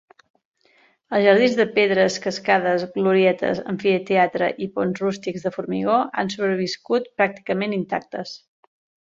Els jardins de pedres, cascades, glorietes, amfiteatre i ponts rústics de formigó han sobreviscut pràcticament intactes.